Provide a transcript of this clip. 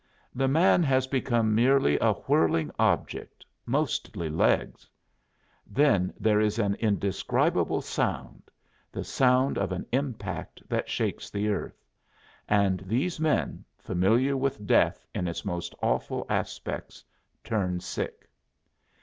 The man has become merely a whirling object, mostly legs. Then there is an indescribable sound the sound of an impact that shakes the earth, and these men, familiar with death in its most awful aspects, turn sick.